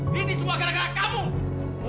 pak ini semua gara gara kamu